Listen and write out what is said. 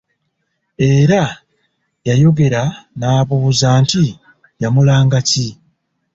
Era yayongera n'abuuza nti yamulanga ki?